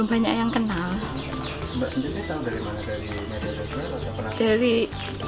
mbak sendiri tahu dari mana dari media sosial atau penasaran